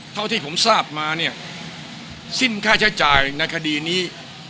เท่าที่ผมทราบมาเนี่ยสิ้นค่าใช้จ่ายในคดีนี้